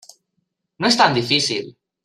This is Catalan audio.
No és tan difícil.